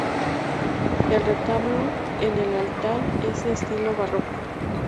El retablo en el altar es de estilo barroco.